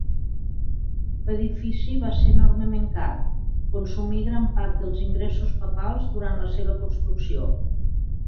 L'edifici va ser enormement car; consumí gran part dels ingressos papals durant la seva construcció.